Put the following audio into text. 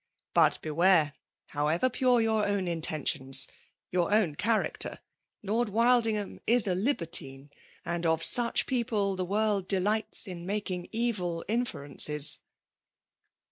*' But be* warel However pure your own inteii^tioB% —your own character, — ^Lord WiUingham i» a libertine^ and of such peqple the world delights in making evU inferences.